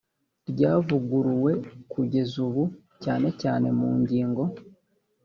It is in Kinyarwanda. ryavuguruwe kugeza ubu cyane cyane mu ngingo